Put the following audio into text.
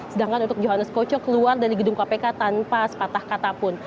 sedangkan untuk johannes budi sustenkocho keluar dari gedung kpk tanpa sepatah katapun